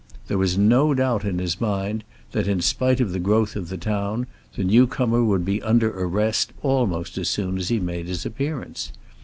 There was no doubt in his mind that, in spite of the growth of the town, the newcomer would be under arrest almost as soon as he made his appearance.